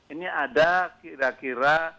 ini ada kira kira